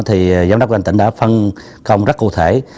thì giám đốc của anh tỉnh đã phân công rất cụ thể